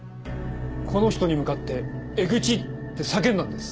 この人に向かって「エグチ！」って叫んだんです。